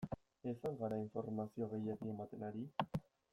Ez al gara informazio gehiegi ematen ari?